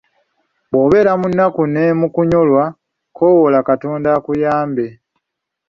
Bw’obeera mu nnaku ne mukunyolwa kowoola katonda akuyambe.